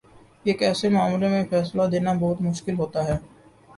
ایک ایسے معاملے میں فیصلہ دینا بہت مشکل ہوتا ہے۔